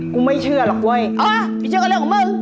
ไม่เชื่อหรอกเว้ยไม่เชื่อก็เรื่องของมึง